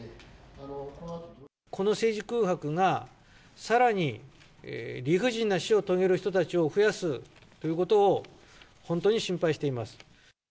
この政治空白がさらに理不尽な死を遂げる人たちを増やすということを、本当に心配しています。